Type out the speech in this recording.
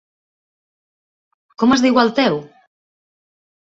Com es diu el teu??